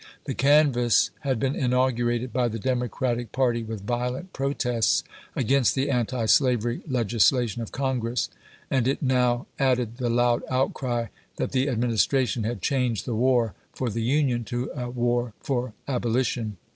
The canvass had been inaugurated by the Democratic party with violent protests against the antislavery legislation of Congress, and it now added the loud outcry that the Administration had changed the war for the Union to a war for aboU tion.